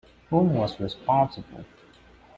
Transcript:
Whom was responsible?